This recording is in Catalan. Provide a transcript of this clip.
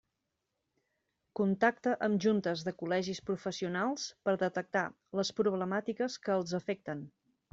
Contacta amb juntes de col·legis professionals per detectar les problemàtiques que els afecten.